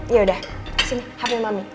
yaudah sini hape mami